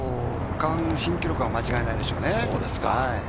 区間新記録は間違いないでしょうね。